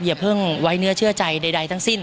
อย่าเพิ่งไว้เนื้อเชื่อใจใดทั้งสิ้น